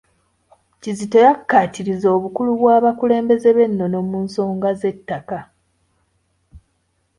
Kizito yakkaatirizza obukulu bw'abakulembeze b’ennono mu nsonga z’ettaka.